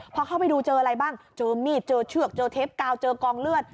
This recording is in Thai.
พอเข้าไปดูเจออะไรบ้างเจอมีดเจอเชือกเจอเทปกาวเจอกองเลือด